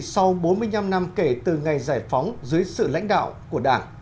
sau bốn mươi năm năm kể từ ngày giải phóng dưới sự lãnh đạo của đảng